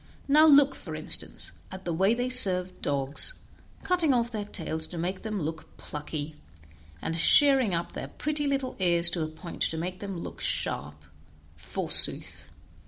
Now look, for instance, at the way they serve dogs, cutting off their tails to make them look plucky, and shearing up their pretty little ears to a point to make them both look sharp, forsooth.